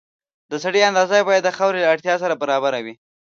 د سرې اندازه باید د خاورې له اړتیا سره برابره وي.